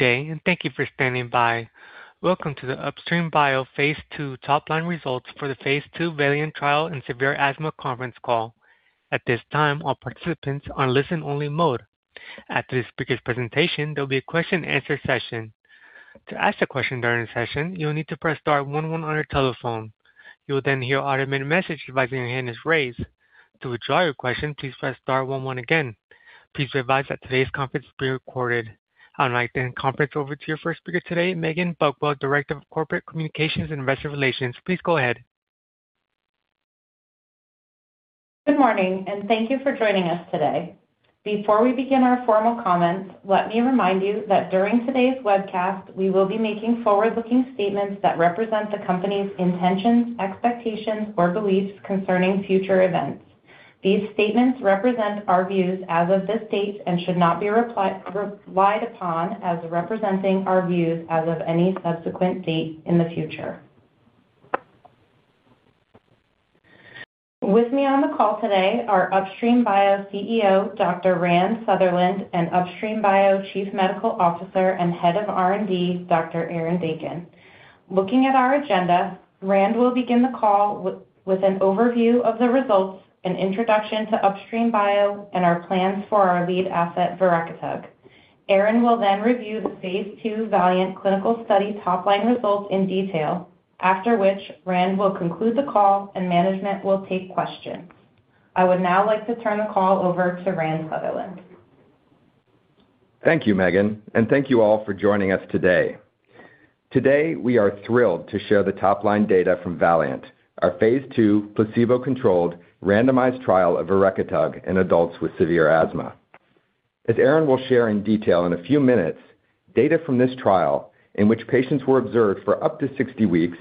Good day, and thank you for standing by. Welcome to the Upstream Bio Phase II Top-Line Results for the Phase II VALIANT Trial and Severe Asthma Conference Call. At this time, all participants are in listen-only mode. After the speaker's presentation, there will be a question-and-answer session. To ask a question during the session, you will need to press star one one on your telephone. You will then hear an automated message advising your hand is raised. To withdraw your question, please press star one one again. Please be advised that today's conference is being recorded. I'll now turn the conference over to your first speaker today, Meggan Buckwell, Director of Corporate Communications and Investor Relations. Please go ahead. Good morning, and thank you for joining us today. Before we begin our formal comments, let me remind you that during today's webcast we will be making forward-looking statements that represent the company's intentions, expectations, or beliefs concerning future events. These statements represent our views as of this date and should not be relied upon as representing our views as of any subsequent date in the future. With me on the call today are Upstream Bio CEO Dr. Rand Sutherland and Upstream Bio Chief Medical Officer and Head of R&D Dr. Aaron Deykin. Looking at our agenda, Rand will begin the call with an overview of the results, an introduction to Upstream Bio, and our plans for our lead asset, verekitug. Aaron will then review the phase II VALIANT clinical study top-line results in detail, after which Rand will conclude the call and management will take questions. I would now like to turn the call over to Rand Sutherland. Thank you, Meggan, and thank you all for joining us today. Today we are thrilled to share the top-line data from VALIANT, our phase II placebo-controlled randomized trial of verekitug in adults with severe asthma. As Aaron will share in detail in a few minutes, data from this trial, in which patients were observed for up to 60 weeks,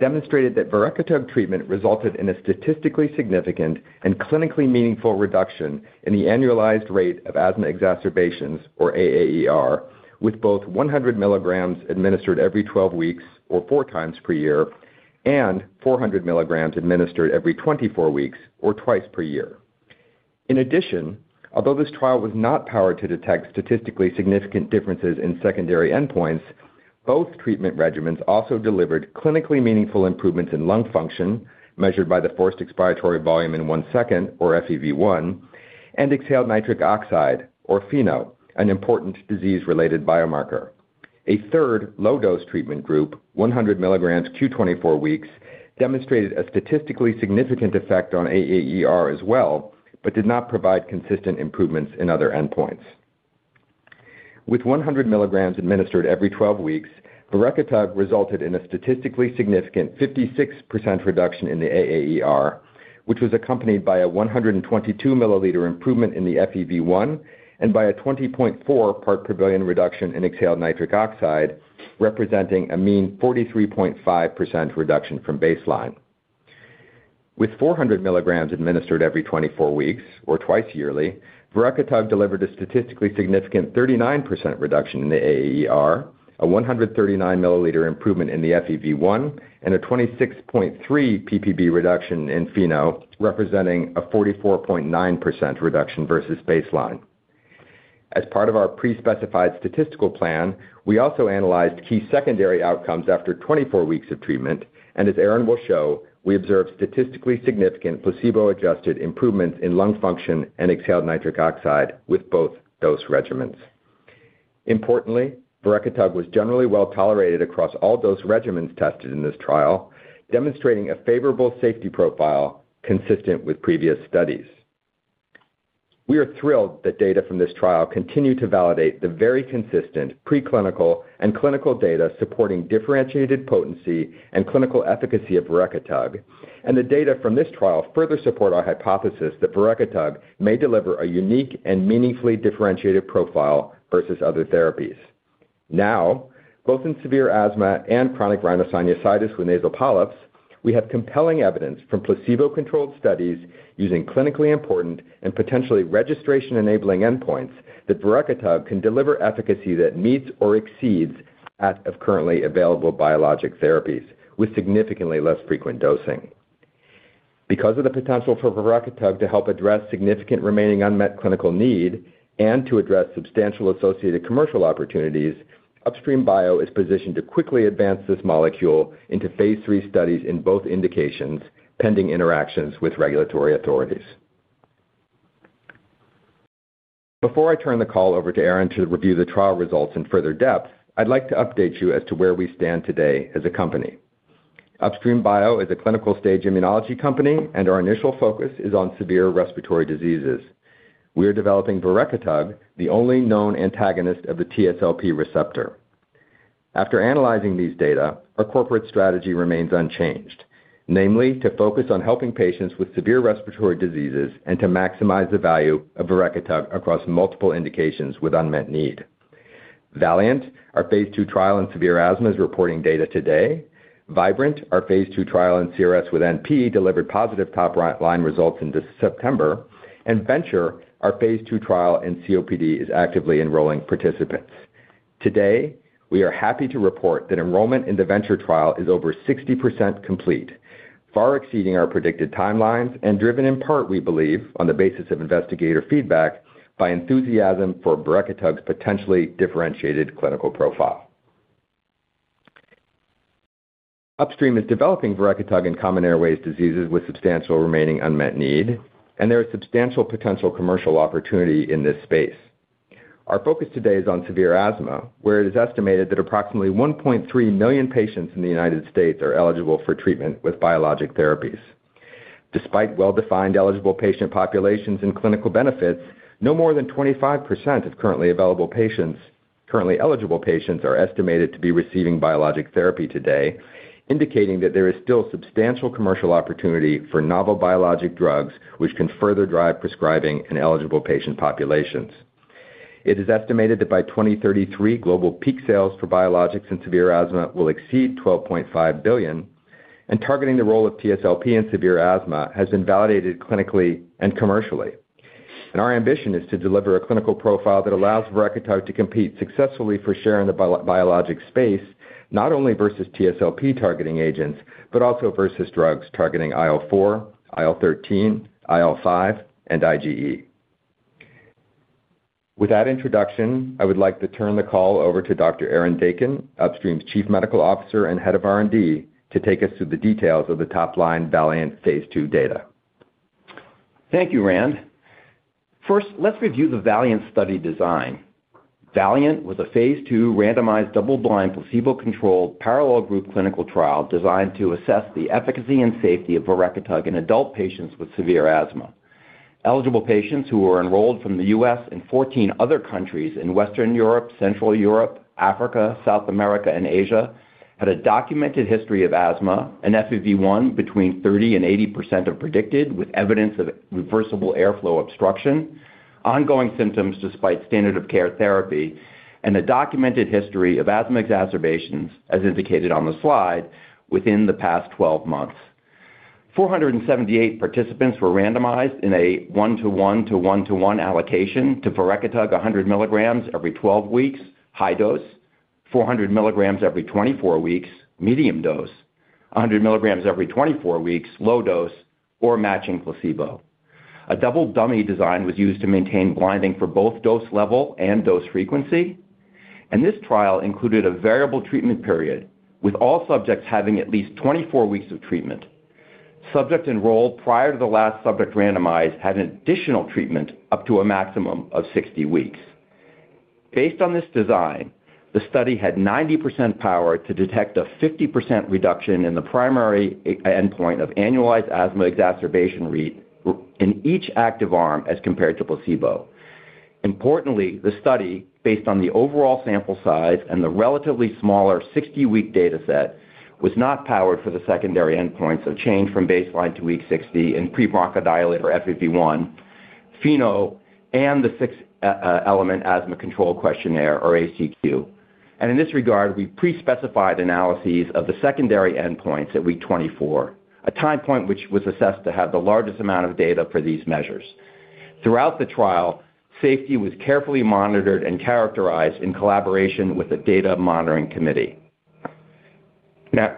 demonstrated that verekitug treatment resulted in a statistically significant and clinically meaningful reduction in the annualized rate of asthma exacerbations, or AAER, with both 100 milligrams administered every 12 weeks, or four times per year, and 400 milligrams administered every 24 weeks, or twice per year. In addition, although this trial was not powered to detect statistically significant differences in secondary endpoints, both treatment regimens also delivered clinically meaningful improvements in lung function, measured by the forced expiratory volume in one second, or FEV1, and exhaled nitric oxide, or FeNO, an important disease-related biomarker. A third low-dose treatment group, 100 milligrams q24 weeks, demonstrated a statistically significant effect on AAER as well but did not provide consistent improvements in other endpoints. With 100 milligrams administered every 12 weeks, verekitug resulted in a statistically significant 56% reduction in the AAER, which was accompanied by a 122 milliliter improvement in the FEV1 and by a 20.4 part per billion reduction in exhaled nitric oxide, representing a mean 43.5% reduction from baseline. With 400 milligrams administered every 24 weeks, or twice yearly, verekitug delivered a statistically significant 39% reduction in the AAER, a 139 milliliter improvement in the FEV1, and a 26.3 ppb reduction in FeNO, representing a 44.9% reduction versus baseline. As part of our pre-specified statistical plan, we also analyzed key secondary outcomes after 24 weeks of treatment, and as Aaron will show, we observed statistically significant placebo-adjusted improvements in lung function and exhaled nitric oxide with both dose regimens. Importantly, verekitug was generally well-tolerated across all dose regimens tested in this trial, demonstrating a favorable safety profile consistent with previous studies. We are thrilled that data from this trial continue to validate the very consistent preclinical and clinical data supporting differentiated potency and clinical efficacy of verekitug, and the data from this trial further support our hypothesis that verekitug may deliver a unique and meaningfully differentiated profile versus other therapies. Now, both in severe asthma and chronic rhinosinusitis with nasal polyps, we have compelling evidence from placebo-controlled studies using clinically important and potentially registration-enabling endpoints that verekitug can deliver efficacy that meets or exceeds that of currently available biologic therapies, with significantly less frequent dosing. Because of the potential for verekitug to help address significant remaining unmet clinical need and to address substantial associated commercial opportunities, Upstream Bio is positioned to quickly advance this molecule into phase III studies in both indications, pending interactions with regulatory authorities. Before I turn the call over to Aaron to review the trial results in further depth, I'd like to update you as to where we stand today as a company. Upstream Bio is a clinical-stage immunology company, and our initial focus is on severe respiratory diseases. We are developing verekitug, the only known antagonist of the TSLP receptor. After analyzing these data, our corporate strategy remains unchanged, namely to focus on helping patients with severe respiratory diseases and to maximize the value of verekitug across multiple indications with unmet need. VALIANT, our phase II trial in severe asthma is reporting data today. VIBRANT, our phase II trial in CRSwNP delivered positive top-line results in September. VENTURE, our phase II trial in COPD, is actively enrolling participants. Today, we are happy to report that enrollment in the VENTURE trial is over 60% complete, far exceeding our predicted timelines and driven in part, we believe, on the basis of investigator feedback, by enthusiasm for verekitug's potentially differentiated clinical profile. Upstream is developing verekitug in common airways diseases with substantial remaining unmet need, and there is substantial potential commercial opportunity in this space. Our focus today is on severe asthma, where it is estimated that approximately 1.3 million patients in the United States are eligible for treatment with biologic therapies. Despite well-defined eligible patient populations and clinical benefits, no more than 25% of currently available patients currently eligible patients are estimated to be receiving biologic therapy today, indicating that there is still substantial commercial opportunity for novel biologic drugs, which can further drive prescribing in eligible patient populations. It is estimated that by 2033, global peak sales for biologics in severe asthma will exceed $12.5 billion, and targeting the role of TSLP in severe asthma has been validated clinically and commercially. Our ambition is to deliver a clinical profile that allows verekitug to compete successfully for share in the biologic space, not only versus TSLP targeting agents but also versus drugs targeting IL-4, IL-13, IL-5, and IgE. With that introduction, I would like to turn the call over to Dr. Aaron Deykin, Upstream's Chief Medical Officer and Head of R&D, to take us through the details of the top-line VALIANT phase II data. Thank you, Rand. First, let's review the VALIANT study design. VALIANT was a phase II randomized double-blind placebo-controlled parallel group clinical trial designed to assess the efficacy and safety of verekitug in adult patients with severe asthma. Eligible patients who were enrolled from the US and 14 other countries in Western Europe, Central Europe, Africa, South America, and Asia had a documented history of asthma, an FEV1 between 30%-80% of predicted, with evidence of reversible airflow obstruction, ongoing symptoms despite standard-of-care therapy, and a documented history of asthma exacerbations, as indicated on the slide, within the past 12 months. 478 participants were randomized in a 1:1 to 1:1 allocation to verekitug 100 milligrams every 12 weeks, high dose; 400 milligrams every 24 weeks, medium dose; 100 milligrams every 24 weeks, low dose; or matching placebo. A double dummy design was used to maintain blinding for both dose level and dose frequency. This trial included a variable treatment period, with all subjects having at least 24 weeks of treatment. Subjects enrolled prior to the last subject randomized had additional treatment up to a maximum of 60 weeks. Based on this design, the study had 90% power to detect a 50% reduction in the primary endpoint of annualized asthma exacerbation rate in each active arm as compared to placebo. Importantly, the study, based on the overall sample size and the relatively smaller 60-week dataset, was not powered for the secondary endpoints of change from baseline to week 60 in pre-bronchodilator FEV1, FeNO, and the six-element asthma control questionnaire, or ACQ. In this regard, we pre-specified analyses of the secondary endpoints at week 24, a time point which was assessed to have the largest amount of data for these measures. Throughout the trial, safety was carefully monitored and characterized in collaboration with a data monitoring committee. Now,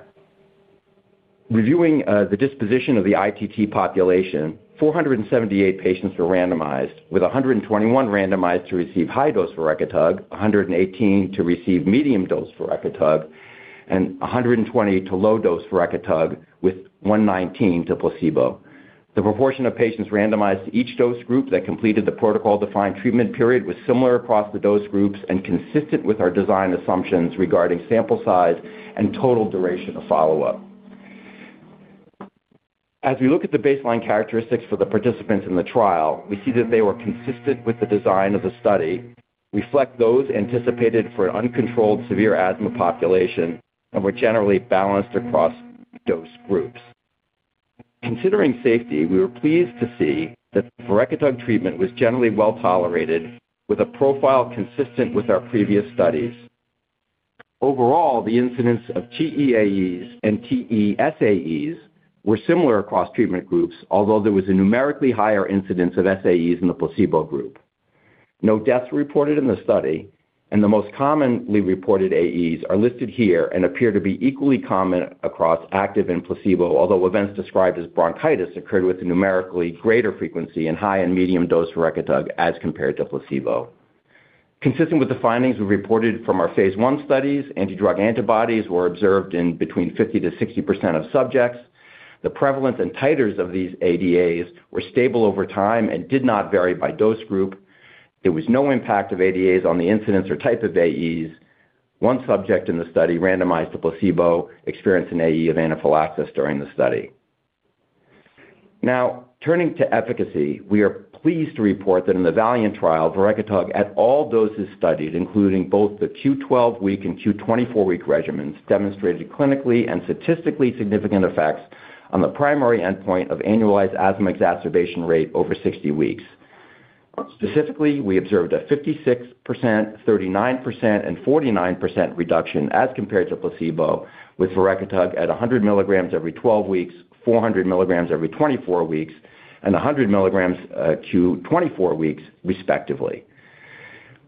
reviewing the disposition of the ITT population, 478 patients were randomized, with 121 randomized to receive high-dose verekitug, 118 to receive medium-dose verekitug, and 120 to low-dose verekitug, with 119 to placebo. The proportion of patients randomized to each dose group that completed the protocol-defined treatment period was similar across the dose groups and consistent with our design assumptions regarding sample size and total duration of follow-up. As we look at the baseline characteristics for the participants in the trial, we see that they were consistent with the design of the study, reflect those anticipated for an uncontrolled severe asthma population, and were generally balanced across dose groups. Considering safety, we were pleased to see that verekitug treatment was generally well-tolerated, with a profile consistent with our previous studies. Overall, the incidence of TEAEs and TESAEs were similar across treatment groups, although there was a numerically higher incidence of SAEs in the placebo group. No deaths reported in the study, and the most commonly reported AEs are listed here and appear to be equally common across active and placebo, although events described as bronchitis occurred with numerically greater frequency in high and medium-dose verekitug as compared to placebo. Consistent with the findings we reported from our phase I studies, anti-drug antibodies were observed in between 50%-60% of subjects. The prevalence and titers of these ADAs were stable over time and did not vary by dose group. There was no impact of ADAs on the incidence or type of AEs. One subject in the study randomized to placebo experienced an AE of anaphylaxis during the study. Now, turning to efficacy, we are pleased to report that in the VALIANT trial, verekitug at all doses studied, including both the Q12W and q24w regimens, demonstrated clinically and statistically significant effects on the primary endpoint of annualized asthma exacerbation rate over 60 weeks. Specifically, we observed a 56%, 39%, and 49% reduction as compared to placebo, with verekitug at 100 milligrams every 12 weeks, 400 milligrams every 24 weeks, and 100 milligrams q24w, respectively.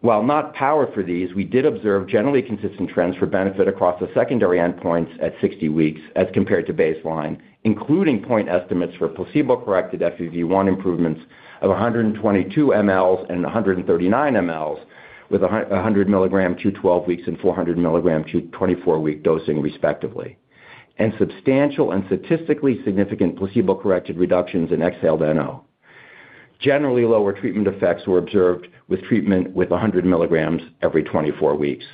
While not powered for these, we did observe generally consistent trends for benefit across the secondary endpoints at 60 weeks as compared to baseline, including point estimates for placebo-corrected FEV1 improvements of 122 mL and 139 mL with 100 mg Q12W and 400 mg q24w dosing, respectively, and substantial and statistically significant placebo-corrected reductions in exhaled NO. Generally lower treatment effects were observed with treatment with 100 mg every 24 weeks.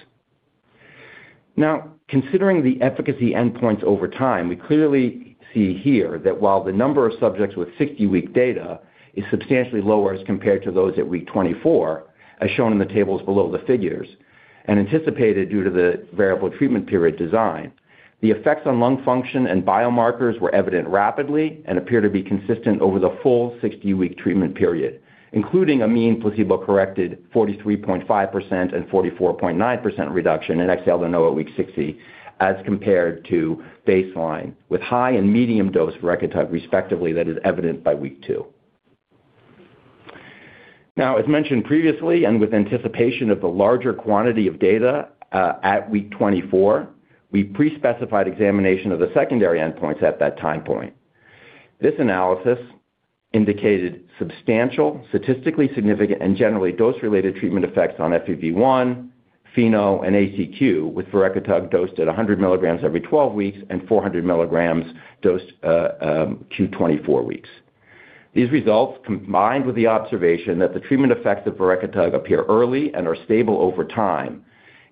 Now, considering the efficacy endpoints over time, we clearly see here that while the number of subjects with 60-week data is substantially lower as compared to those at week 24, as shown in the tables below the figures, and anticipated due to the variable treatment period design, the effects on lung function and biomarkers were evident rapidly and appear to be consistent over the full 60-week treatment period, including a mean placebo-corrected 43.5% and 44.9% reduction in exhaled NO at week 60 as compared to baseline, with high and medium-dose verekitug, respectively, that is evident by week 2. Now, as mentioned previously, and with anticipation of the larger quantity of data at week 24, we pre-specified examination of the secondary endpoints at that time point. This analysis indicated substantial, statistically significant, and generally dose-related treatment effects on FEV1, FeNO, and ACQ with verekitug dosed at 100 milligrams every 12 weeks and 400 milligrams dosed q24 weeks. These results, combined with the observation that the treatment effects of verekitug appear early and are stable over time,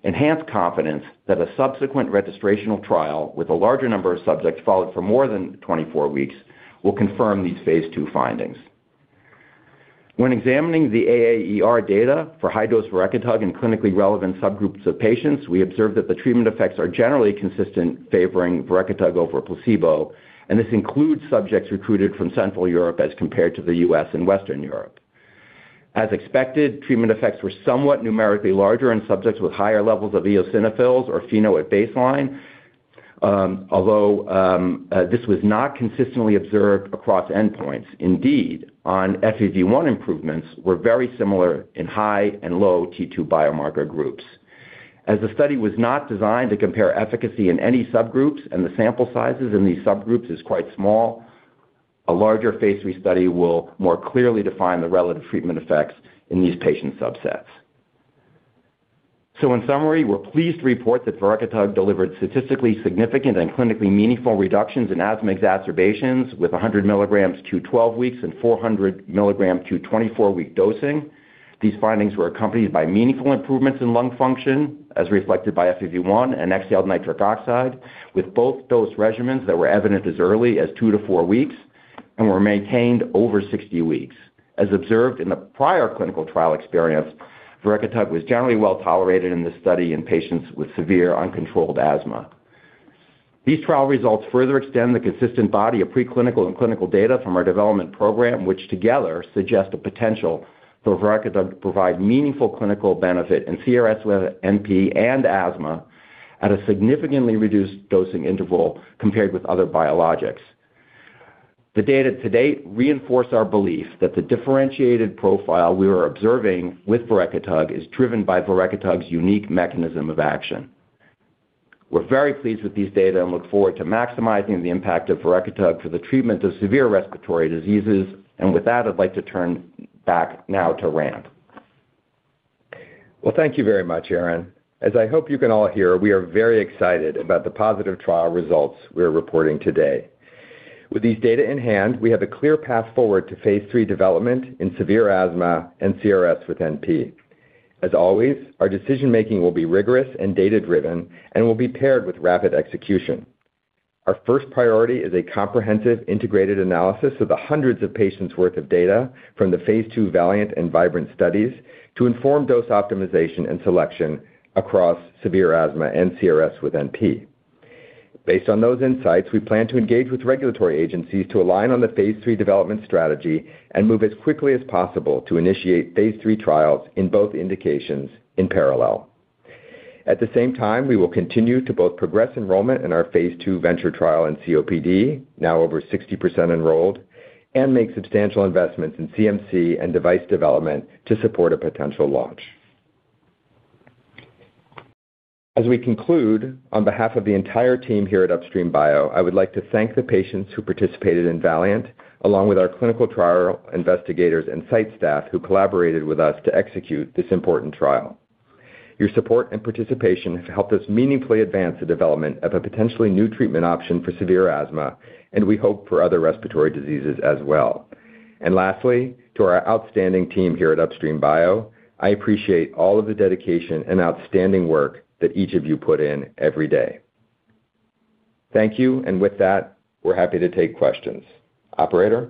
enhance confidence that a subsequent registrational trial with a larger number of subjects followed for more than 24 weeks will confirm these phase II findings. When examining the AAER data for high-dose verekitug in clinically relevant subgroups of patients, we observed that the treatment effects are generally consistent, favoring verekitug over placebo, and this includes subjects recruited from Central Europe as compared to the US and Western Europe. As expected, treatment effects were somewhat numerically larger in subjects with higher levels of eosinophils or FeNO at baseline, although this was not consistently observed across endpoints. Indeed, on FEV1 improvements were very similar in high and low T2 biomarker groups. As the study was not designed to compare efficacy in any subgroups and the sample sizes in these subgroups are quite small, a larger phase III study will more clearly define the relative treatment effects in these patient subsets. In summary, we're pleased to report that verekitug delivered statistically significant and clinically meaningful reductions in asthma exacerbations with 100 milligrams q12 weeks and 400 milligrams q24 week dosing. These findings were accompanied by meaningful improvements in lung function, as reflected by FEV1 and exhaled nitric oxide, with both dose regimens that were evident as early as two-four weeks and were maintained over 60 weeks. As observed in the prior clinical trial experience, verekitug was generally well-tolerated in this study in patients with severe uncontrolled asthma. These trial results further extend the consistent body of preclinical and clinical data from our development program, which together suggest a potential for verekitug to provide meaningful clinical benefit in CRS with NP and asthma at a significantly reduced dosing interval compared with other biologics. The data to date reinforce our belief that the differentiated profile we were observing with verekitug is driven by verekitug's unique mechanism of action. We're very pleased with these data and look forward to maximizing the impact of verekitug for the treatment of severe respiratory diseases. With that, I'd like to turn back now to Rand. Well, thank you very much, Aaron. As I hope you can all hear, we are very excited about the positive trial results we are reporting today. With these data in hand, we have a clear path forward to phase III development in severe asthma and CRSwNP. As always, our decision-making will be rigorous and data-driven and will be paired with rapid execution. Our first priority is a comprehensive integrated analysis of the hundreds of patients' worth of data from the phase II VALIANT and VIBRANT studies to inform dose optimization and selection across severe asthma and CRSwNP. Based on those insights, we plan to engage with regulatory agencies to align on the phase III development strategy and move as quickly as possible to initiate phase III trials in both indications in parallel. At the same time, we will continue to both progress enrollment in our phase II VENTURE trial in COPD, now over 60% enrolled, and make substantial investments in CMC and device development to support a potential launch. As we conclude, on behalf of the entire team here at Upstream Bio, I would like to thank the patients who participated in VALIANT, along with our clinical trial investigators and site staff who collaborated with us to execute this important trial. Your support and participation have helped us meaningfully advance the development of a potentially new treatment option for severe asthma, and we hope for other respiratory diseases as well. And lastly, to our outstanding team here at Upstream Bio, I appreciate all of the dedication and outstanding work that each of you put in every day. Thank you. And with that, we're happy to take questions. Operator?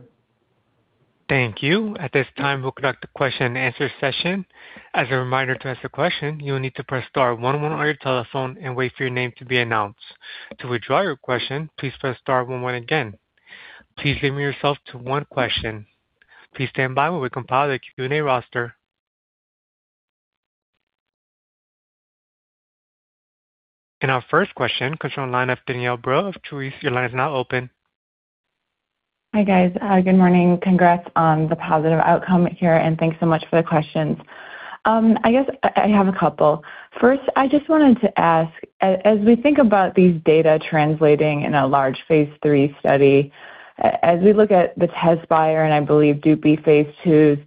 Thank you. At this time, we'll conduct the question-and-answer session. As a reminder to ask a question, you will need to press star one one on your telephone and wait for your name to be announced. To withdraw your question, please press star one one again. Please limit yourself to one question. Please stand by while we compile the Q&A roster. Our first question concerns Danielle Brill of Truist Securities. Your line is now open. Hi, guys. Good morning. Congrats on the positive outcome here, and thanks so much for the questions. I guess I have a couple. First, I just wanted to ask, as we think about these data translating in a large phase III study, as we look at the Tezspire and, I believe, Dupixent phase IIs,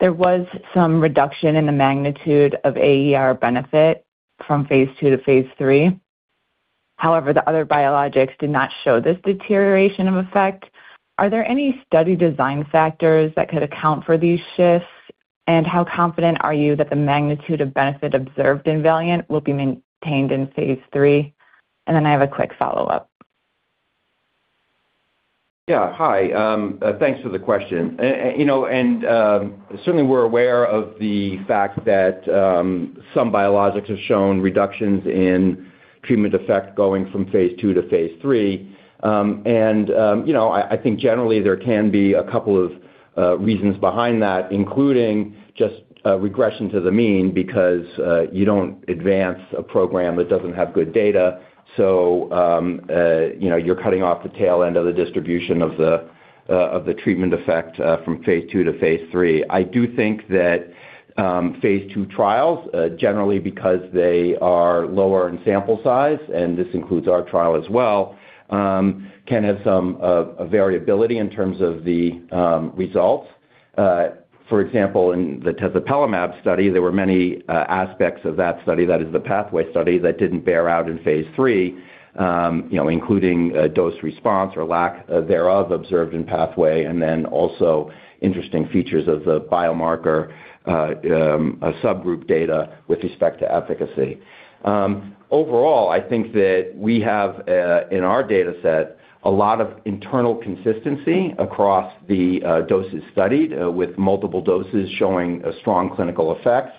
there was some reduction in the magnitude of AER benefit from phase II to phase III. However, the other biologics did not show this deterioration of effect. Are there any study design factors that could account for these shifts, and how confident are you that the magnitude of benefit observed in VALIANT will be maintained in phase III? And then I have a quick follow-up. Yeah. Hi. Thanks for the question. Certainly, we're aware of the fact that some biologics have shown reductions in treatment effect going from phase II to phase III. I think generally, there can be a couple of reasons behind that, including just regression to the mean because you don't advance a program that doesn't have good data, so you're cutting off the tail end of the distribution of the treatment effect from phase II to phase III. I do think that phase II trials, generally because they are lower in sample size, and this includes our trial as well, can have some variability in terms of the results. For example, in the tezepelumab study, there were many aspects of that study, that is, the PATHWAY study, that didn't bear out in phase III, including dose response or lack thereof observed in PATHWAY, and then also interesting features of the biomarker subgroup data with respect to efficacy. Overall, I think that we have, in our dataset, a lot of internal consistency across the doses studied, with multiple doses showing strong clinical effects.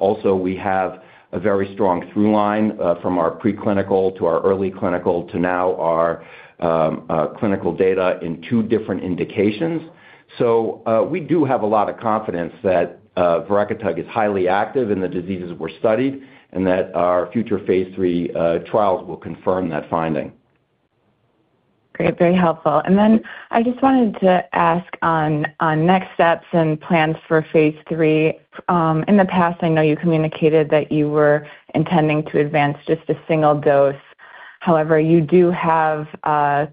Also, we have a very strong throughline from our preclinical to our early clinical to now our clinical data in two different indications. So we do have a lot of confidence that verekitug is highly active in the diseases we're studied and that our future phase III trials will confirm that finding. Great. Very helpful. And then I just wanted to ask on next steps and plans for phase III. In the past, I know you communicated that you were intending to advance just a single dose. However, you do have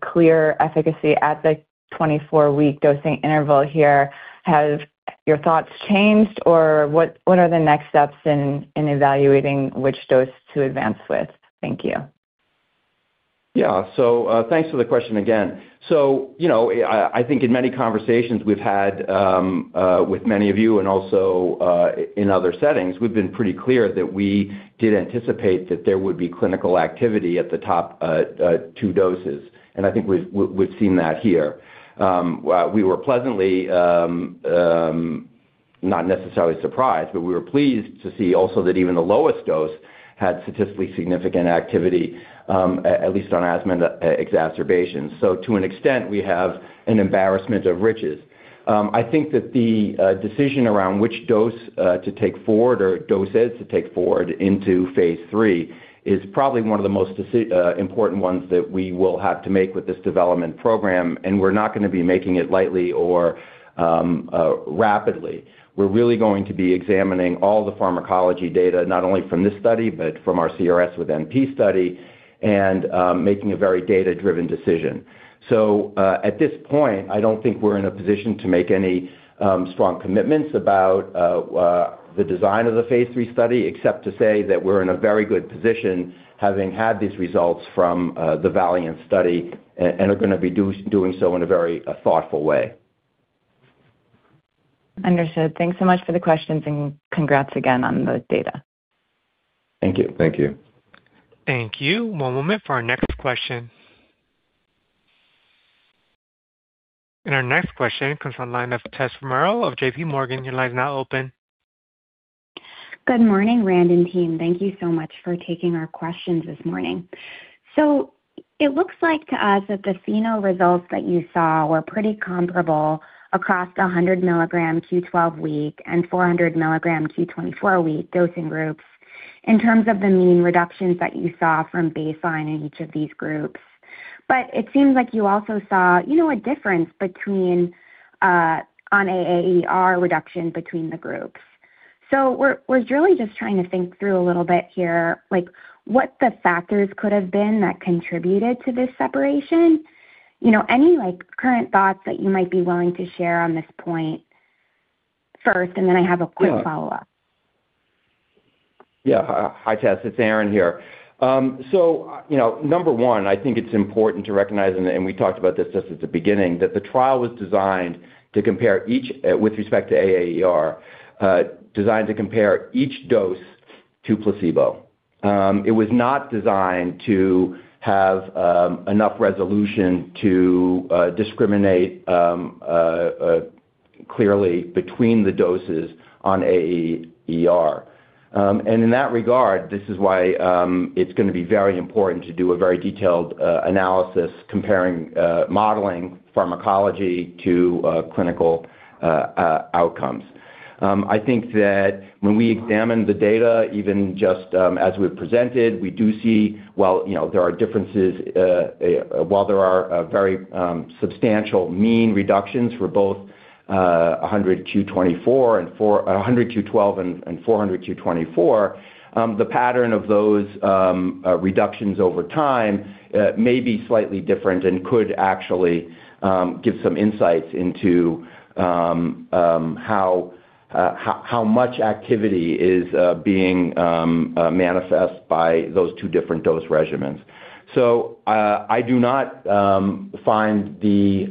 clear efficacy at the 24-week dosing interval here. Have your thoughts changed, or what are the next steps in evaluating which dose to advance with? Thank you. Yeah. So thanks for the question again. So I think in many conversations we've had with many of you and also in other settings, we've been pretty clear that we did anticipate that there would be clinical activity at the top two doses. And I think we've seen that here. We were pleasantly not necessarily surprised, but we were pleased to see also that even the lowest dose had statistically significant activity, at least on asthma exacerbations. So to an extent, we have an embarrassment of riches. I think that the decision around which dose to take forward or dosage to take forward into phase III is probably one of the most important ones that we will have to make with this development program. And we're not going to be making it lightly or rapidly. We're really going to be examining all the pharmacology data, not only from this study but from our CRS with NP study, and making a very data-driven decision. So at this point, I don't think we're in a position to make any strong commitments about the design of the phase III study, except to say that we're in a very good position having had these results from the VALIANT study and are going to be doing so in a very thoughtful way. Understood. Thanks so much for the questions, and congrats again on the data. Thank you. Thank you. Thank you. One moment for our next question. Our next question concerns Tessa Romero of JPMorgan. Your line is now open. Good morning, Rand and team. Thank you so much for taking our questions this morning. So it looks like to us that the FeNO results that you saw were pretty comparable across the 100 mg q12 week and 400 mg q24 week dosing groups in terms of the mean reductions that you saw from baseline in each of these groups. But it seems like you also saw a difference on AAER reduction between the groups. So we're really just trying to think through a little bit here what the factors could have been that contributed to this separation. Any current thoughts that you might be willing to share on this point first, and then I have a quick follow-up. Yeah. Hi, Tessa. It's Aaron here. So number one, I think it's important to recognize, and we talked about this just at the beginning, that the trial was designed to compare with respect to AAER, designed to compare each dose to placebo. It was not designed to have enough resolution to discriminate clearly between the doses on AAER. And in that regard, this is why it's going to be very important to do a very detailed analysis comparing modeling pharmacology to clinical outcomes. I think that when we examine the data, even just as we've presented, we do see well, there are differences. While there are very substantial mean reductions for both 100 q12 and 400 q24, the pattern of those reductions over time may be slightly different and could actually give some insights into how much activity is being manifest by those two different dose regimens. I do not find the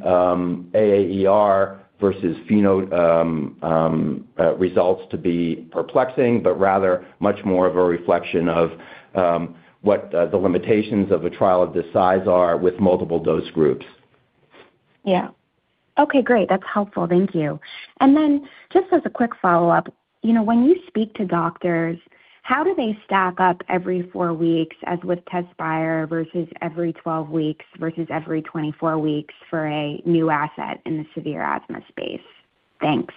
AAER versus FeNO results to be perplexing, but rather much more of a reflection of what the limitations of a trial of this size are with multiple dose groups. Yeah. Okay. Great. That's helpful. Thank you. And then just as a quick follow-up, when you speak to doctors, how do they stack up every four weeks as with Tezspire versus every 12 weeks versus every 24 weeks for a new asset in the severe asthma space? Thanks.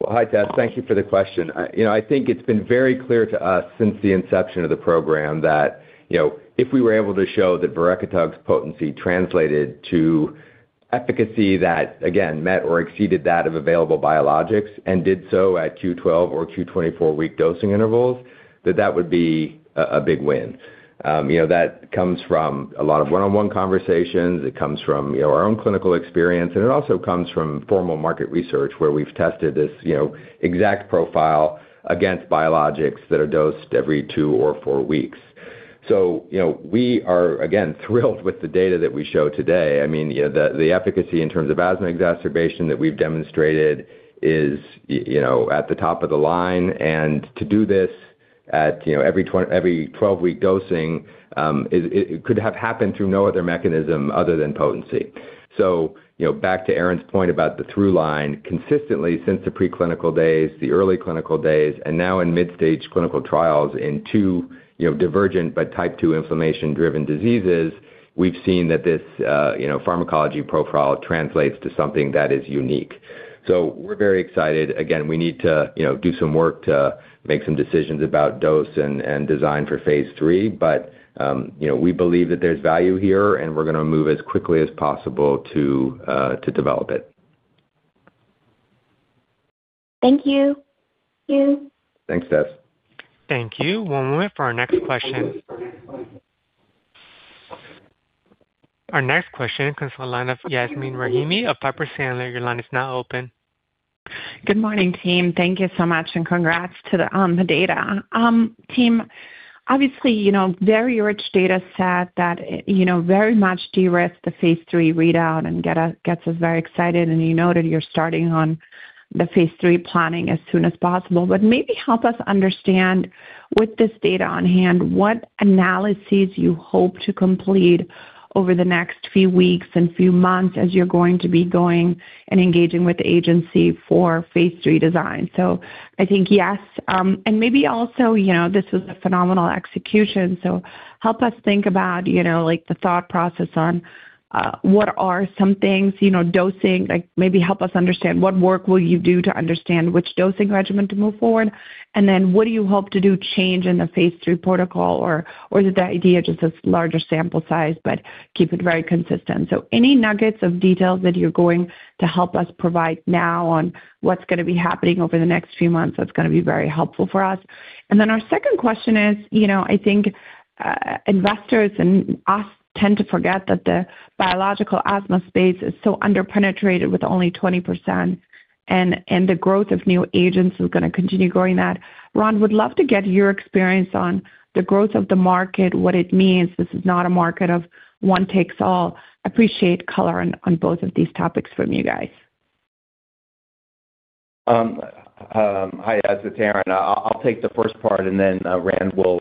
Well, hi, Tess. Thank you for the question. I think it's been very clear to us since the inception of the program that if we were able to show that verekitug's potency translated to efficacy that, again, met or exceeded that of available biologics and did so at q12 or q24 week dosing intervals, that that would be a big win. That comes from a lot of one-on-one conversations. It comes from our own clinical experience. And it also comes from formal market research where we've tested this exact profile against biologics that are dosed every two or four weeks. So we are, again, thrilled with the data that we show today. I mean, the efficacy in terms of asthma exacerbation that we've demonstrated is at the top of the line. And to do this at every 12-week dosing, it could have happened through no other mechanism other than potency. Back to Aaron's point about the throughline, consistently since the preclinical days, the early clinical days, and now in mid-stage clinical trials in two divergent but type 2 inflammation-driven diseases, we've seen that this pharmacology profile translates to something that is unique. We're very excited. Again, we need to do some work to make some decisions about dose and design for phase III, but we believe that there's value here, and we're going to move as quickly as possible to develop it. Thank you. Thank you. Thanks, Tess. Thank you. One moment for our next question. Our next question concerns Yasmeen Rahimi of Piper Sandler. Your line is now open. Good morning, team. Thank you so much, and congrats to the data. Team, obviously, very rich dataset that very much de-risked the phase III readout and gets us very excited. You noted you're starting on the phase III planning as soon as possible. Maybe help us understand, with this data on hand, what analyses you hope to complete over the next few weeks and few months as you're going to be going and engaging with the agency for phase III design. So I think yes. Maybe also, this was a phenomenal execution, so help us think about the thought process on what are some things dosing. Maybe help us understand what work will you do to understand which dosing regimen to move forward, and then what do you hope to do change in the phase III protocol? Or is it the idea just of larger sample size but keep it very consistent? So any nuggets of details that you're going to help us provide now on what's going to be happening over the next few months, that's going to be very helpful for us. And then our second question is, I think investors and us tend to forget that the biological asthma space is so under-penetrated with only 20%, and the growth of new agents is going to continue growing that. Rand, would love to get your experience on the growth of the market, what it means. This is not a market of one takes all. Appreciate color on both of these topics from you guys. Hi, that's Aaron. I'll take the first part, and then Rand will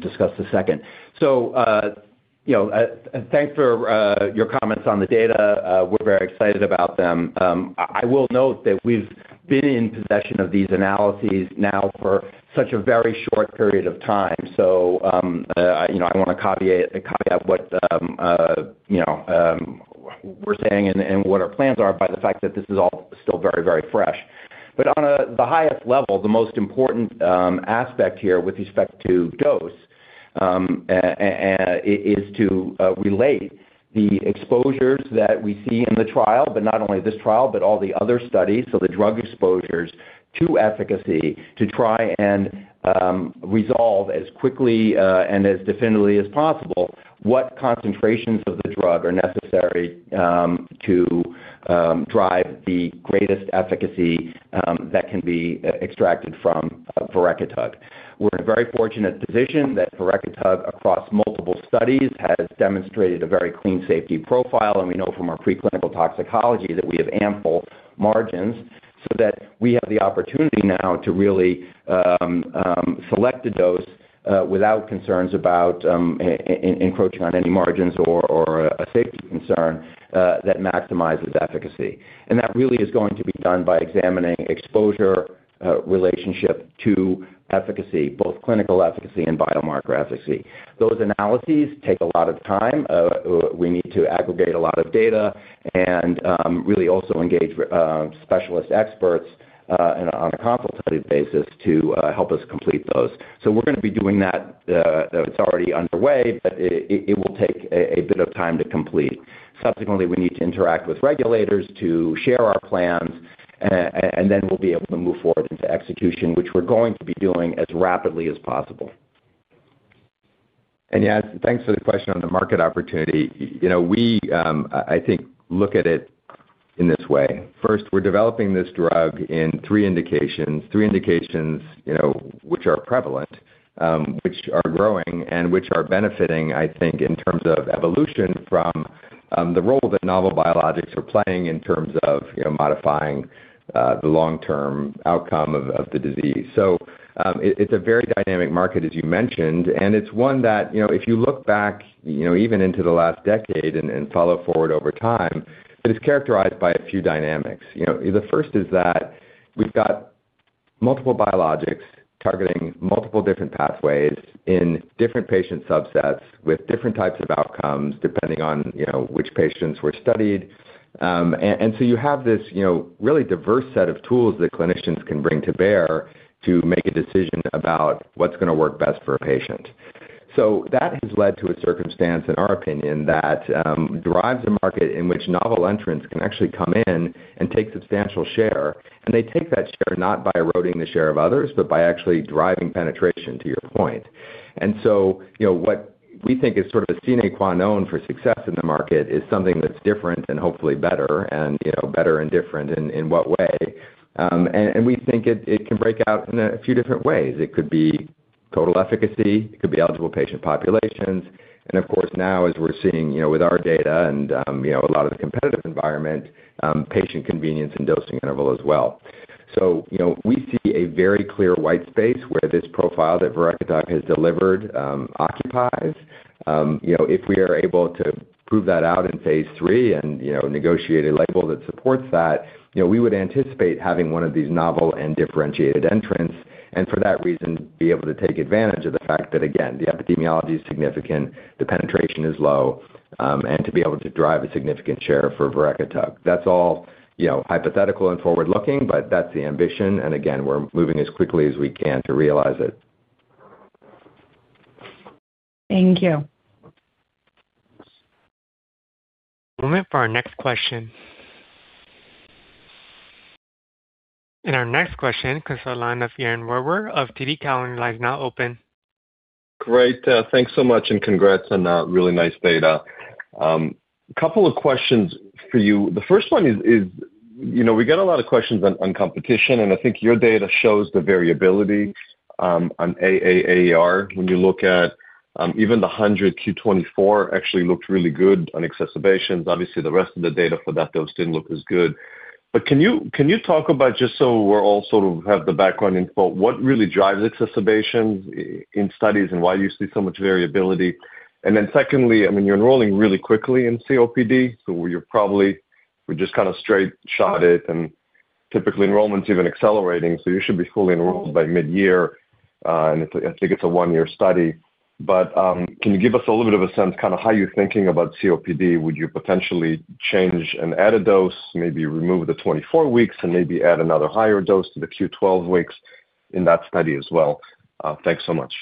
discuss the second. So thanks for your comments on the data. We're very excited about them. I will note that we've been in possession of these analyses now for such a very short period of time. So I want to caveat what we're saying and what our plans are by the fact that this is all still very, very fresh. But on the highest level, the most important aspect here with respect to dose is to relate the exposures that we see in the trial, but not only this trial, but all the other studies, so the drug exposures, to efficacy to try and resolve as quickly and as definitively as possible what concentrations of the drug are necessary to drive the greatest efficacy that can be extracted from verekitug. We're in a very fortunate position that verekitug, across multiple studies, has demonstrated a very clean safety profile. We know from our preclinical toxicology that we have ample margins so that we have the opportunity now to really select a dose without concerns about encroaching on any margins or a safety concern that maximizes efficacy. That really is going to be done by examining exposure relationship to efficacy, both clinical efficacy and biomarker efficacy. Those analyses take a lot of time. We need to aggregate a lot of data and really also engage specialist experts on a consultative basis to help us complete those. We're going to be doing that. It's already underway, but it will take a bit of time to complete. Subsequently, we need to interact with regulators to share our plans, and then we'll be able to move forward into execution, which we're going to be doing as rapidly as possible. And yes, thanks for the question on the market opportunity. We, I think, look at it in this way. First, we're developing this drug in three indications, three indications which are prevalent, which are growing, and which are benefiting, I think, in terms of evolution from the role that novel biologics are playing in terms of modifying the long-term outcome of the disease. So it's a very dynamic market, as you mentioned, and it's one that, if you look back even into the last decade and follow forward over time, it is characterized by a few dynamics. The first is that we've got multiple biologics targeting multiple different pathways in different patient subsets with different types of outcomes depending on which patients were studied. And so you have this really diverse set of tools that clinicians can bring to bear to make a decision about what's going to work best for a patient. So that has led to a circumstance, in our opinion, that drives a market in which novel entrants can actually come in and take substantial share. And they take that share not by eroding the share of others but by actually driving penetration, to your point. And so what we think is sort of a sine qua non for success in the market is something that's different and hopefully better, and better and different in what way. And we think it can break out in a few different ways. It could be total efficacy. It could be eligible patient populations. Of course, now, as we're seeing with our data and a lot of the competitive environment, patient convenience and dosing interval as well. So we see a very clear white space where this profile that verekitug has delivered occupies. If we are able to prove that out in phase III and negotiate a label that supports that, we would anticipate having one of these novel and differentiated entrants and, for that reason, be able to take advantage of the fact that, again, the epidemiology is significant, the penetration is low, and to be able to drive a significant share for verekitug. That's all hypothetical and forward-looking, but that's the ambition. Again, we're moving as quickly as we can to realize it. Thank you. One moment for our next question. Our next question, concerning Yaron Werber of TD Cowen, is now open. Great. Thanks so much and congrats on really nice data. A couple of questions for you. The first one is we got a lot of questions on competition, and I think your data shows the variability on AAER. When you look at even the 100 q24, it actually looked really good on exacerbations. Obviously, the rest of the data for that dose didn't look as good. But can you talk about, just so we all sort of have the background info, what really drives exacerbations in studies and why you see so much variability? And then secondly, I mean, you're enrolling really quickly in COPD, so you're probably just kind of straight-shotted. And typically, enrollment's even accelerating, so you should be fully enrolled by mid-year. And I think it's a one-year study. But can you give us a little bit of a sense kind of how you're thinking about COPD? Would you potentially change and add a dose, maybe remove the 24 weeks, and maybe add another higher dose to the q12 weeks in that study as well? Thanks so much.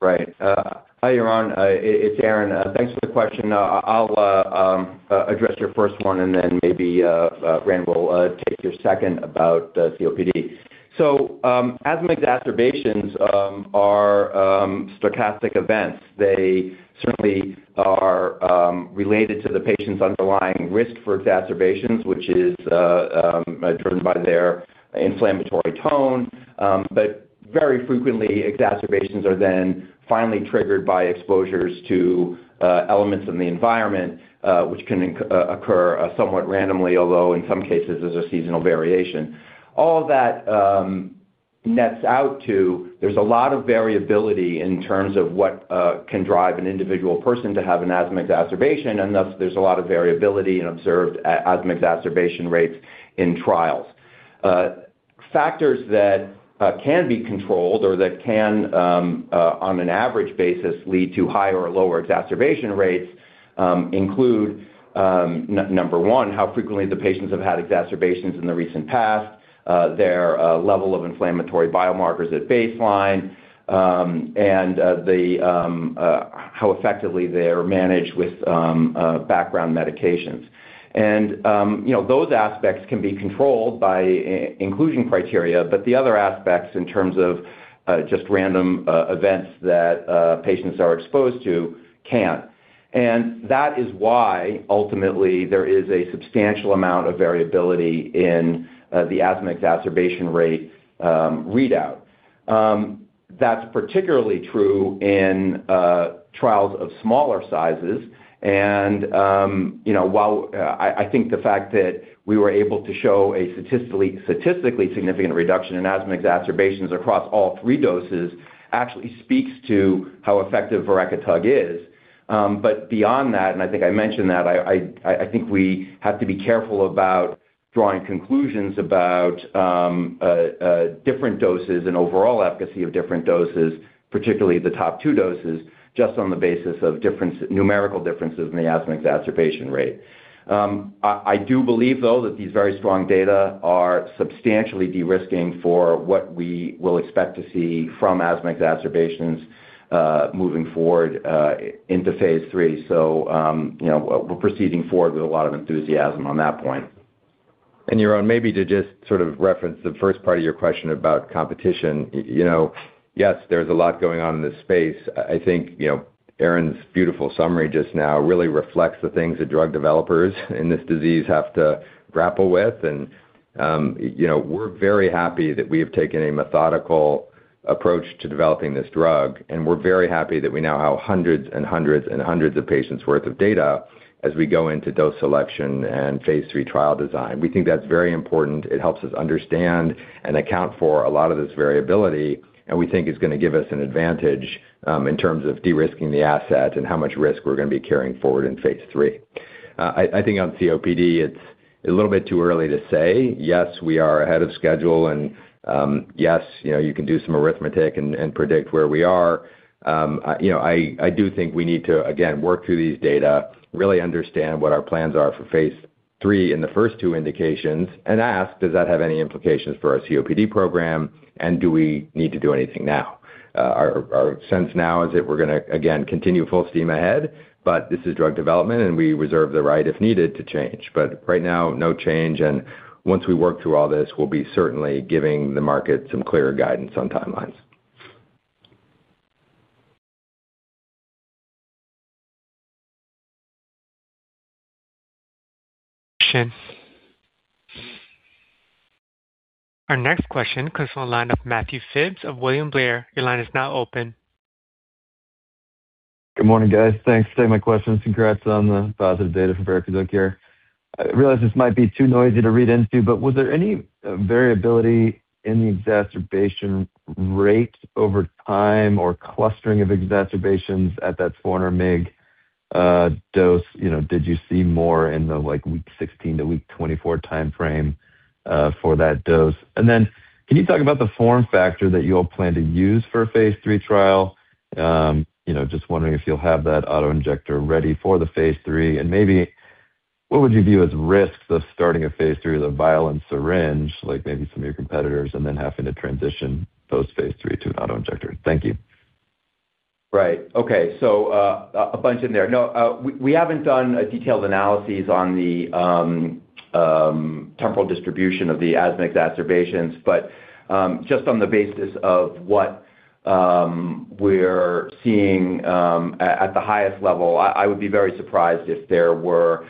Right. Hi, Yaron. It's Aaron. Thanks for the question. I'll address your first one, and then maybe Rand will take your second about COPD. So asthma exacerbations are stochastic events. They certainly are related to the patient's underlying risk for exacerbations, which is driven by their inflammatory tone. But very frequently, exacerbations are then finally triggered by exposures to elements in the environment, which can occur somewhat randomly, although in some cases, there's a seasonal variation. All of that nets out to there's a lot of variability in terms of what can drive an individual person to have an asthma exacerbation, and thus, there's a lot of variability in observed asthma exacerbation rates in trials. Factors that can be controlled or that can, on an average basis, lead to higher or lower exacerbation rates include, number one, how frequently the patients have had exacerbations in the recent past, their level of inflammatory biomarkers at baseline, and how effectively they are managed with background medications. Those aspects can be controlled by inclusion criteria, but the other aspects, in terms of just random events that patients are exposed to, can't. That is why, ultimately, there is a substantial amount of variability in the asthma exacerbation rate readout. That's particularly true in trials of smaller sizes. While I think the fact that we were able to show a statistically significant reduction in asthma exacerbations across all three doses actually speaks to how effective verekitug is. But beyond that, and I think I mentioned that, I think we have to be careful about drawing conclusions about different doses and overall efficacy of different doses, particularly the top two doses, just on the basis of numerical differences in the asthma exacerbation rate. I do believe, though, that these very strong data are substantially de-risking for what we will expect to see from asthma exacerbations moving forward into phase III. So we're proceeding forward with a lot of enthusiasm on that point. And Yaron, maybe to just sort of reference the first part of your question about competition, yes, there's a lot going on in this space. I think Aaron's beautiful summary just now really reflects the things that drug developers in this disease have to grapple with. We're very happy that we have taken a methodical approach to developing this drug, and we're very happy that we now have hundreds and hundreds and hundreds of patients' worth of data as we go into dose selection and phase III trial design. We think that's very important. It helps us understand and account for a lot of this variability, and we think it's going to give us an advantage in terms of de-risking the asset and how much risk we're going to be carrying forward in phase III. I think on COPD, it's a little bit too early to say. Yes, we are ahead of schedule, and yes, you can do some arithmetic and predict where we are. I do think we need to, again, work through these data, really understand what our plans are for phase III in the first two indications, and ask, "Does that have any implications for our COPD program, and do we need to do anything now?" Our sense now is that we're going to, again, continue full steam ahead, but this is drug development, and we reserve the right, if needed, to change. But right now, no change. And once we work through all this, we'll be certainly giving the market some clearer guidance on timelines. Question. Our next question, concerning Matt Phipps of William Blair. Your line is now open. Good morning, guys. Thanks for taking my questions, and congrats on the positive data from verekitug here. I realize this might be too noisy to read into, but was there any variability in the exacerbation rate over time or clustering of exacerbations at that 400 mg dose? Did you see more in the week 16 to week 24 timeframe for that dose? And then can you talk about the form factor that you all plan to use for a phase III trial? Just wondering if you'll have that autoinjector ready for the phase III. And maybe what would you view as risks of starting a phase III with a vial and syringe, like maybe some of your competitors, and then having to transition post-phase III to an autoinjector? Thank you. Right. Okay. So a bunch in there. No, we haven't done detailed analyses on the temporal distribution of the asthma exacerbations, but just on the basis of what we're seeing at the highest level, I would be very surprised if there were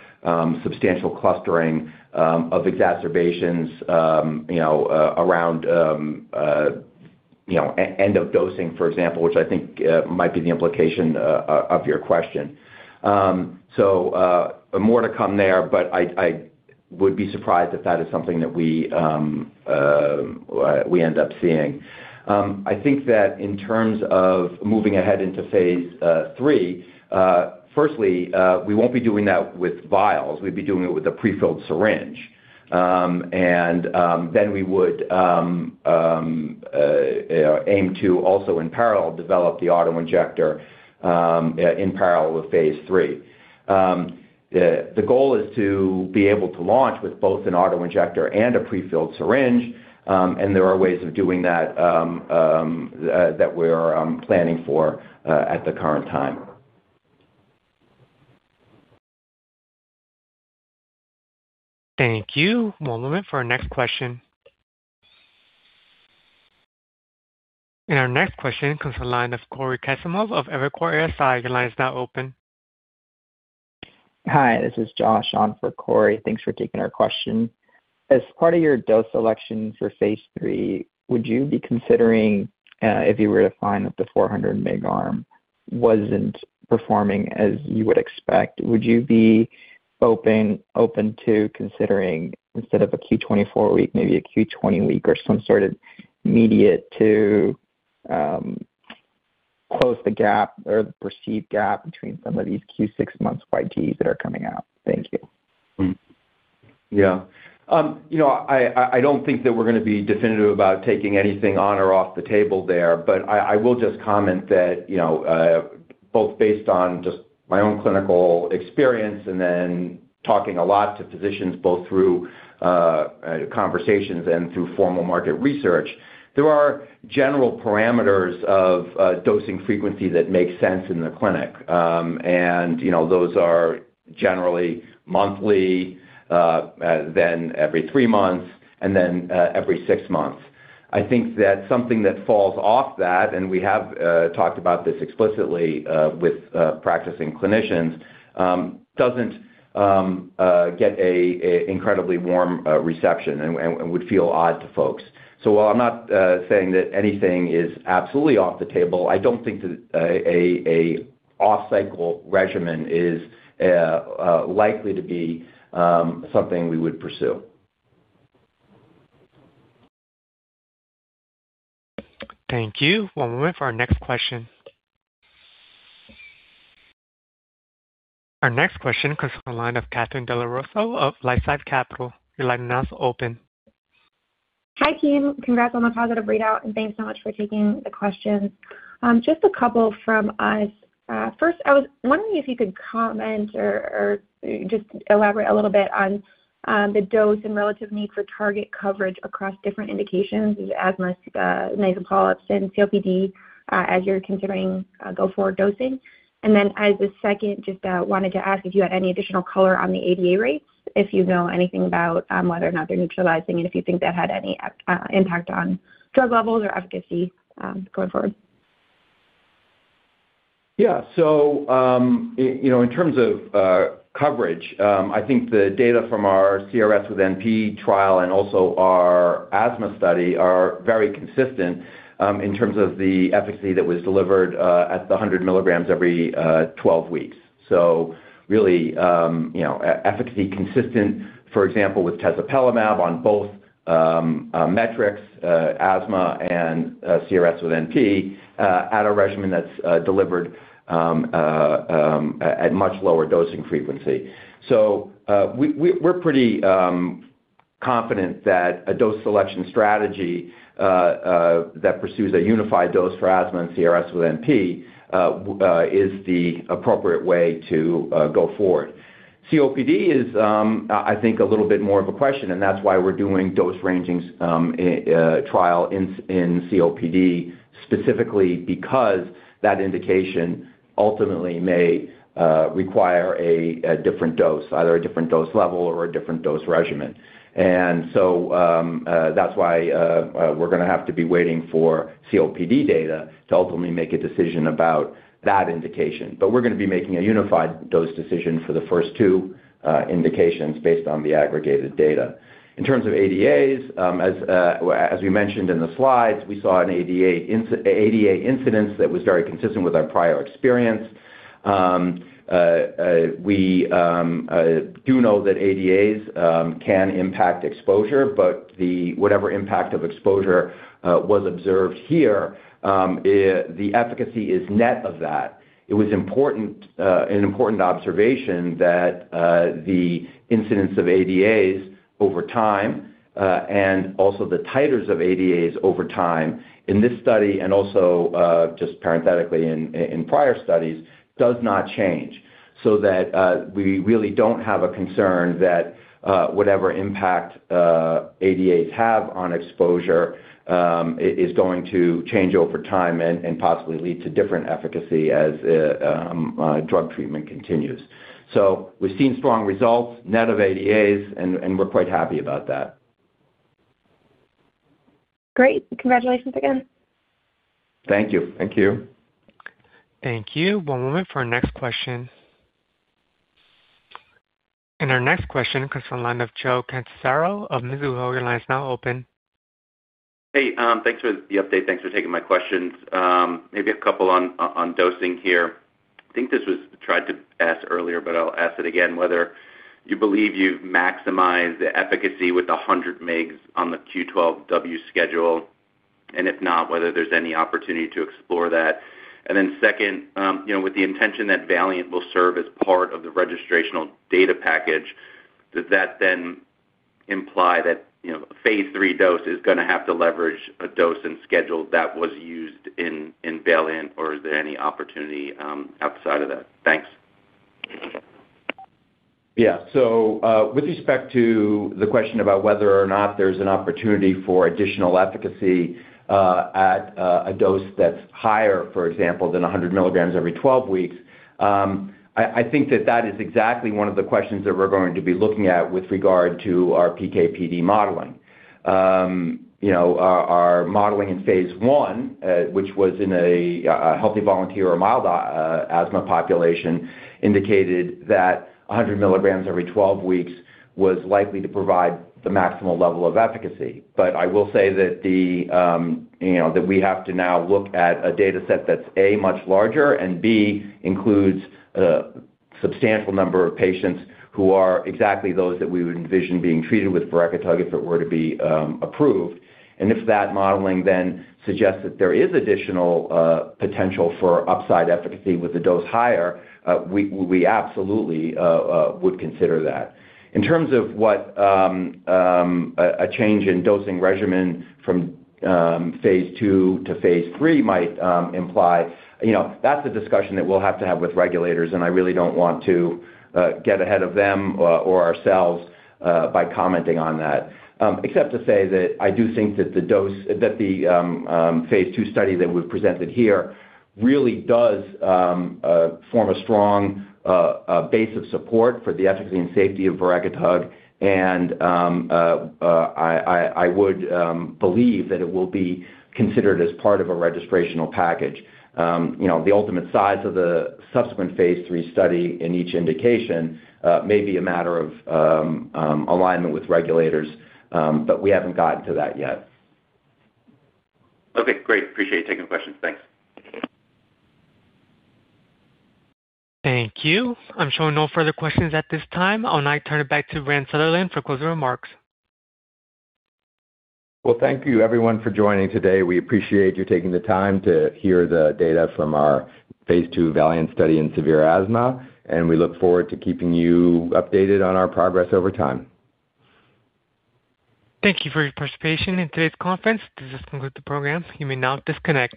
substantial clustering of exacerbations around end-of-dosing, for example, which I think might be the implication of your question. So more to come there, but I would be surprised if that is something that we end up seeing. I think that in terms of moving ahead into phase III, firstly, we won't be doing that with vials. We'd be doing it with a prefilled syringe. And then we would aim to also, in parallel, develop the autoinjector in parallel with phase III. The goal is to be able to launch with both an autoinjector and a prefilled syringe. There are ways of doing that that we're planning for at the current time. Thank you. One moment for our next question. Our next question comes from the line of Cory Kasimov of Evercore ISI. Your line is now open. Hi. This is Josh on for Cory. Thanks for taking our question. As part of your dose selection for phase III, would you be considering, if you were to find that the 400 mg arm wasn't performing as you would expect, would you be open to considering, instead of a q24 week, maybe a q20 week or some sort of mediate to close the gap or the perceived gap between some of these q6 months YTEs that are coming out? Thank you. Yeah. I don't think that we're going to be definitive about taking anything on or off the table there, but I will just comment that both based on just my own clinical experience and then talking a lot to physicians both through conversations and through formal market research, there are general parameters of dosing frequency that make sense in the clinic. And those are generally monthly, then every three months, and then every six months. I think that something that falls off that—and we have talked about this explicitly with practicing clinicians—doesn't get an incredibly warm reception and would feel odd to folks. So while I'm not saying that anything is absolutely off the table, I don't think that an off-cycle regimen is likely to be something we would pursue. Thank you. One moment for our next question. Our next question, line of Katherine Dellorusso of LifeSci Capital. Your line is now open. Hi, team. Congrats on the positive readout, and thanks so much for taking the questions. Just a couple from us. First, I was wondering if you could comment or just elaborate a little bit on the dose and relative need for target coverage across different indications as asthma, nasal polyps, and COPD as you're considering go forward dosing. And then as a second, just wanted to ask if you had any additional color on the ADA rates, if you know anything about whether or not they're neutralizing, and if you think that had any impact on drug levels or efficacy going forward. Yeah. So in terms of coverage, I think the data from our CRS with NP trial and also our asthma study are very consistent in terms of the efficacy that was delivered at the 100 milligrams every 12 weeks. So really efficacy consistent, for example, with tezepelumab on both metrics, asthma and CRS with NP, at a regimen that's delivered at much lower dosing frequency. So we're pretty confident that a dose selection strategy that pursues a unified dose for asthma and CRS with NP is the appropriate way to go forward. COPD is, I think, a little bit more of a question, and that's why we're doing dose-ranging trial in COPD, specifically because that indication ultimately may require a different dose, either a different dose level or a different dose regimen. And so that's why we're going to have to be waiting for COPD data to ultimately make a decision about that indication. But we're going to be making a unified dose decision for the first two indications based on the aggregated data. In terms of ADAs, as we mentioned in the slides, we saw an ADA incidence that was very consistent with our prior experience. We do know that ADAs can impact exposure, but whatever impact of exposure was observed here, the efficacy is net of that. It was an important observation that the incidence of ADAs over time and also the titers of ADAs over time in this study and also just parenthetically in prior studies does not change, so that we really don't have a concern that whatever impact ADAs have on exposure is going to change over time and possibly lead to different efficacy as drug treatment continues. So we've seen strong results net of ADAs, and we're quite happy about that. Great. Congratulations again. Thank you. Thank you. Thank you. One moment for our next question. Our next question from Joe Catanzaro of Mizuho. Your line is now open. Hey. Thanks for the update. Thanks for taking my questions. Maybe a couple on dosing here. I think this was tried to ask earlier, but I'll ask it again, whether you believe you've maximized the efficacy with the 100 mg on the q12W schedule, and if not, whether there's any opportunity to explore that. And then second, with the intention that VALIANT will serve as part of the registrational data package, does that then imply that a phase III dose is going to have to leverage a dose and schedule that was used in VALIANT, or is there any opportunity outside of that? Thanks. Yeah. So with respect to the question about whether or not there's an opportunity for additional efficacy at a dose that's higher, for example, than 100 milligrams every 12 weeks, I think that that is exactly one of the questions that we're going to be looking at with regard to our PKPD modeling. Our modeling in phase I, which was in a healthy volunteer or mild asthma population, indicated that 100 milligrams every 12 weeks was likely to provide the maximal level of efficacy. But I will say that we have to now look at a dataset that's, A, much larger, and, B, includes a substantial number of patients who are exactly those that we would envision being treated with verekitug if it were to be approved. And if that modeling then suggests that there is additional potential for upside efficacy with a dose higher, we absolutely would consider that. In terms of what a change in dosing regimen from phase II to phase III might imply, that's a discussion that we'll have to have with regulators, and I really don't want to get ahead of them or ourselves by commenting on that, except to say that I do think that the phase II study that we've presented here really does form a strong base of support for the efficacy and safety of verekitug, and I would believe that it will be considered as part of a registrational package. The ultimate size of the subsequent phase III study in each indication may be a matter of alignment with regulators, but we haven't gotten to that yet. Okay. Great. Appreciate you taking the questions. Thanks. Thank you. I'm showing no further questions at this time. I'll now turn it back to Rand Sutherland for closing remarks. Well, thank you, everyone, for joining today. We appreciate you taking the time to hear the data from our phase II VALIANT study in severe asthma, and we look forward to keeping you updated on our progress over time. Thank you for your participation in today's conference. This has concluded the program. You may now disconnect.